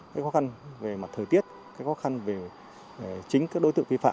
cái khó khăn về mặt thời tiết cái khó khăn về chính các đối tượng vi phạm